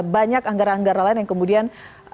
banyak anggara anggara lain yang kemudian